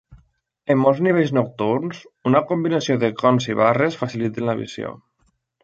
En molts nivells nocturns, una combinació de cons i barres faciliten la visió.